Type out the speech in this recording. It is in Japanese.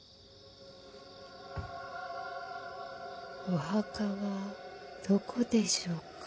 ・お墓はどこでしょうか。